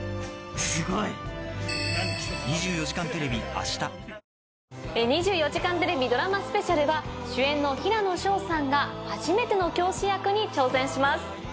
そして『２４時間テレビ』ドラマスペシャルは主演の平野紫耀さんが初めての教師役に挑戦します。